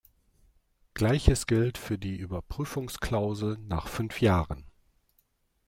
Gleiches gilt für die Überprüfungsklausel nach fünf Jahren.